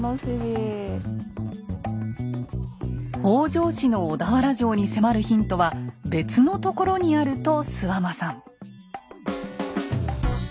北条氏の小田原城に迫るヒントは別のところにあると諏訪間さん。